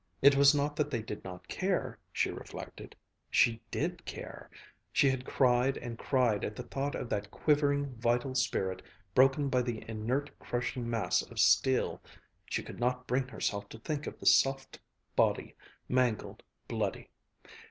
It was not that they did not care, she reflected she did care. She had cried and cried at the thought of that quivering, vital spirit broken by the inert crushing mass of steel she could not bring herself to think of the soft body, mangled, bloody.